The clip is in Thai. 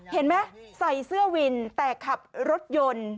เห็นไหมใส่เสื้อวินแต่ขับรถยนต์